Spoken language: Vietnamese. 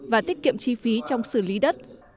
và tiết kiệm chi phí trong xử lý đất